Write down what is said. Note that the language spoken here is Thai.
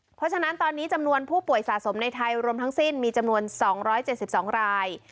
เพราะฉะนั้นตอนนี้จำนวนผู้ป่วยสะสมในไทยรวมทั้งสิ้นมีจำนวน๒๗๒ราย